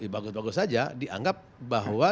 bagus bagus saja dianggap bahwa